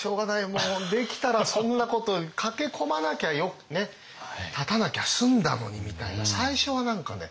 もうできたらそんなこと駆け込まなきゃね立たなきゃ済んだのにみたいな最初は何かね